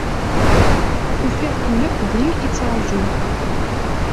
Ufi?-ten akk din i ttrajun.